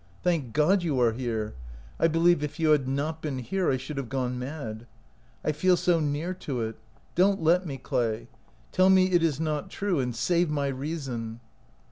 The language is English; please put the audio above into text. " Thank God, you are here! , I be lieve if you had not been here I should have gone mad. I feel so near to it. Don't let me, Clay. Tell me it is not true, and save my reason."